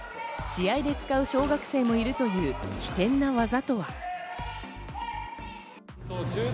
試合で使う小学生もいるという危険な技とは。